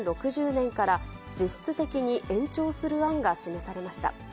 ６０年から実質的に延長する案が示されました。